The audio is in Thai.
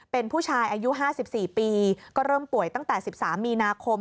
เป็นผู้ชายอายุ๕๔ปีก็เริ่มป่วยตั้งแต่๑๓มีนาคม